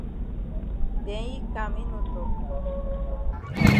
Den yi kam yi no tok.